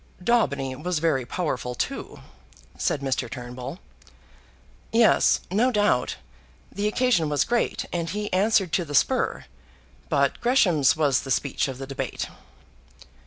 "Daubeny was very powerful too," said Mr. Turnbull. "Yes; no doubt. The occasion was great, and he answered to the spur. But Gresham's was the speech of the debate."